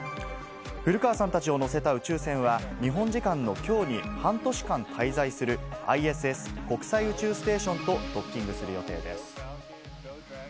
古川さんたちを乗せた宇宙船は、日本時間のきょうに半年間滞在するＩＳＳ・国際宇宙ステーションとドッキングする予定です。